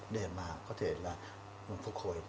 để mà có thể là phục hồi